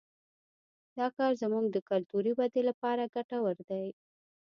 دا کار زموږ د کلتوري ودې لپاره ګټور دی